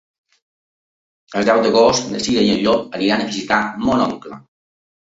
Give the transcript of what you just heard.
El deu d'agost na Cira i en Llop aniran a visitar mon oncle.